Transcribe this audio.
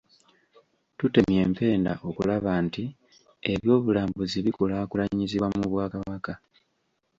Tutemye empenda okulaba nti eby’obulambuzi bikulaakulanyizibwa mu Bwakabaka.